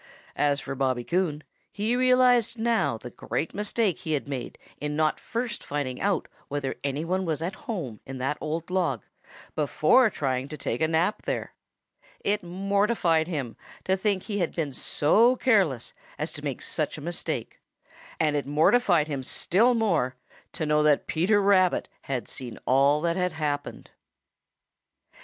As for Bobby Coon, he realized now the great mistake he had made in not first finding out whether any one was at home in that old log before trying to take a nap there. It mortified him to think he had been so careless as to make such a mistake, and it mortified him still more to know that Peter Rabbit had seen all that had happened.